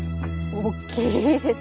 大きいです。